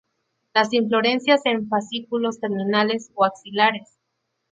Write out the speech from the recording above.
Las inflorescencias en fascículos terminales o axilares.